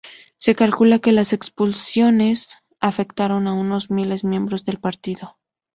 Se calcula que las expulsiones afectaron a unos mil miembros del partido.